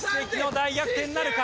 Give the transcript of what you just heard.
大逆転なるか？